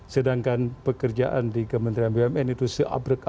sedangkan pekerjaan di kementerian bumn itu seabrek abrek overload